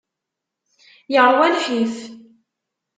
Yeṛwa lḥif.